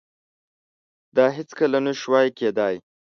دا هیڅکله نشوای کېدای.